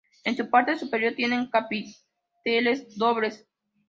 En su parte superior tienen capiteles dobles.